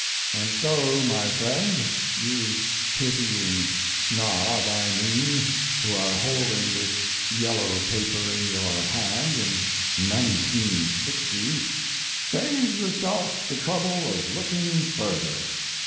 And so, my friend (you pitying snob, I mean, who are holding this yellow paper in your hand in 1960), save yourself the trouble of looking further.